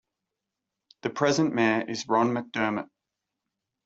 The present mayor is Ron McDermott.